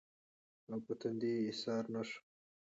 او پۀ تندې ايساره نۀ شوه